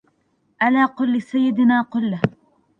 ألا قل لسيدنا قل له